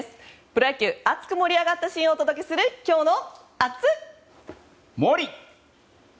プロ野球、熱く盛り上がったシーンをお届けする盛り！